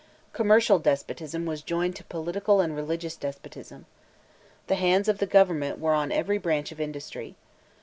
Commercial despotism was joined to political and religious despotism. The hands of the government were on every branch of industry.